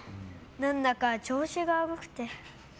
何だか調子が悪くて。